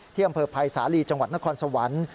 อำเภอภัยสาลีจังหวัดนครสวรรค์